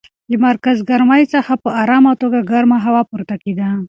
له مرکز ګرمۍ څخه په ارامه توګه ګرمه هوا پورته کېده.